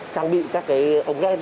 trang bị các cái ống ghen